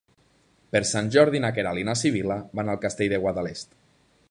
Per Sant Jordi na Queralt i na Sibil·la van al Castell de Guadalest.